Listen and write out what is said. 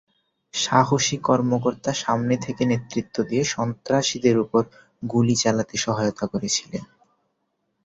সাহসী কর্মকর্তা সামনে থেকে নেতৃত্ব দিয়ে সন্ত্রাসীদের উপর গুলি চালাতে সহায়তা করেছিলেন।